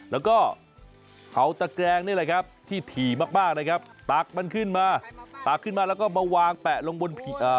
แล้วก็เผาตะแกรงนี่แหละครับที่ถี่มากมากนะครับตักมันขึ้นมาตักขึ้นมาแล้วก็มาวางแปะลงบนผีอ่า